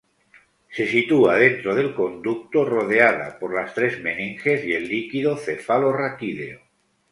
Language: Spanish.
Se sitúa dentro del conducto rodeada por las tres meninges y el líquido cefalorraquídeo.